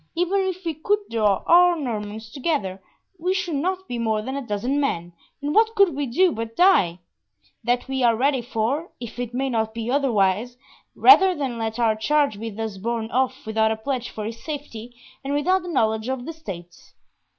Even if we could draw our Normans together, we should not be more than a dozen men, and what could we do but die? That we are ready for, if it may not be otherwise, rather than let our charge be thus borne off without a pledge for his safety, and without the knowledge of the states."